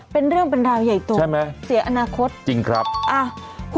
เป็นเรื่องบรรดาใหญ่ตรงเสียอนาคตจริงครับใช่ไหมจริงครับ